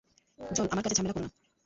জন, আমার কাজে ঝামেলা করো না।